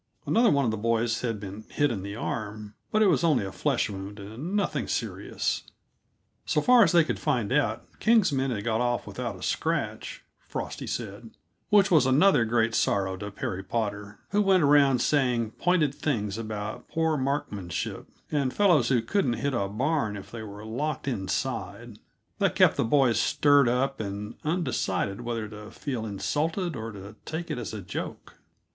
Another one of the boys had been hit in the arm, but it was only a flesh wound and nothing serious. So far as they could find out, King's men had got off without a scratch, Frosty said; which was another great sorrow to Perry Potter, who went around saying pointed things about poor markmanship and fellows who couldn't hit a barn if they were locked inside that kept the boys stirred up and undecided whether to feel insulted or to take it as a joke.